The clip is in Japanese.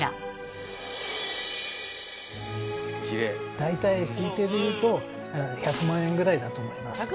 大体推定でいうと１００万円ぐらいだと思います。